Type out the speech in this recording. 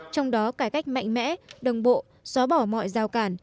trong đó cải cách mạnh mẽ đồng bộ xóa bỏ mọi giao cản